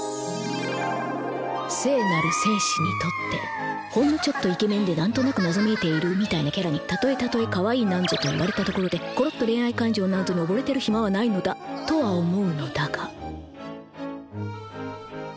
聖なる戦士にとってほんのちょっとイケメンで何となく謎めいているみたいなキャラにたとえたとえ「かわいい」なんぞと言われたところでころっと恋愛感情なんぞに溺れてる暇はないのだ！とは思うのだが。